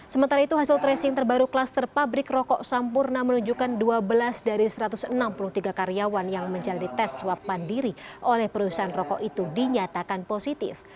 sementara itu hasil tracing terbaru kluster pabrik rokok sampurna menunjukkan dua belas dari satu ratus enam puluh tiga karyawan yang menjalani tes swab mandiri oleh perusahaan rokok itu dinyatakan positif